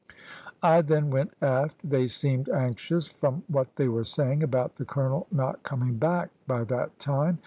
I then went aft. They seemed anxious, from what they were saying, about the colonel not coming back by that time.